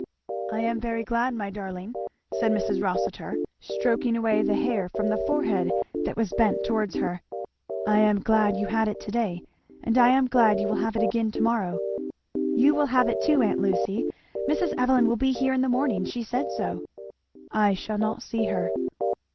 "I am very glad, my darling," said Mrs. Rossitur, stroking away the hair from the forehead that was bent down towards her; "I am glad you had it to day and I am glad you will have it again to morrow." "You will have it too, aunt Lucy. Mrs. Evelyn will be here in the morning she said so." "I shall not see her."